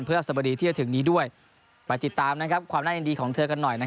เพื่อสบดีที่จะถึงนี้ด้วยไปติดตามนะครับความแน่นดีของเธอกันหน่อยนะครับ